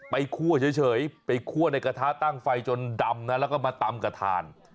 คั่วเฉยไปคั่วในกระทะตั้งไฟจนดำนะแล้วก็มาตำกระทาน